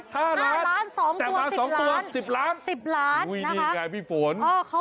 อ๋อห้าล้านสองตัวสิบล้านสิบล้านนะครับโอ้ยนี่ไงพี่ฝน